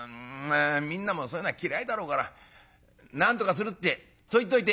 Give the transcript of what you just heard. みんなもそういうのは嫌いだろうからなんとかするってそう言っといて」。